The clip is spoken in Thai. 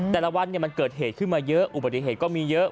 แต่ละวันเนี่ยมันเกิดเหตุขึ้นมาเยอะอุปสรรคพยาบาลมีเยอะ